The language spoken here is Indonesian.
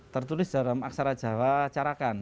tertulis dalam aksara jawa carakan